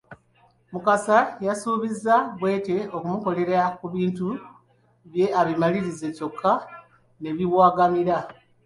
Mukasa yasuubizza Bwete okumukolera ku bintu bye abimalirize kyokka ne biwagamira.